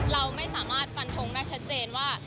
เราไม่สามารถฟันทงได้ชัดเจนว่า